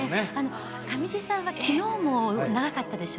上地さんはきのうも長かったでしょ。